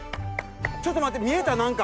ちょっと待って見えた何か。